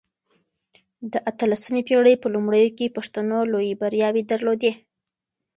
د اته لسمې پېړۍ په لومړيو کې پښتنو لويې برياوې درلودې.